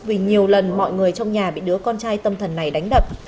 vì nhiều lần mọi người trong nhà bị đứa con trai tâm thần này đánh đập